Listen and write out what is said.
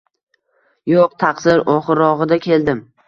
Yoʻq taqsir, oxirrogʻida keldim